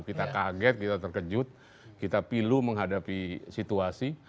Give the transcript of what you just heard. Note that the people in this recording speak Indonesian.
kita kaget kita terkejut kita pilu menghadapi situasi